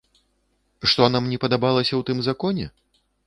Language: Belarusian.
Што нам не падабалася ў тым законе?